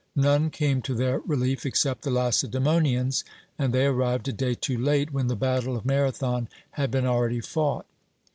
None came to their relief except the Lacedaemonians, and they arrived a day too late, when the battle of Marathon had been already fought.